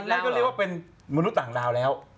นั่นก็เรียกว่าเป็นมนุษย์ต่างดาวแล้ว